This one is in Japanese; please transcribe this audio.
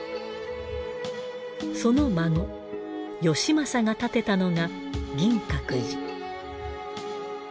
その孫義政が建てたのが銀閣寺。